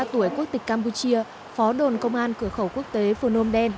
năm mươi ba tuổi quốc tịch campuchia phó đồn công an cửa khẩu quốc tế phường nôm đen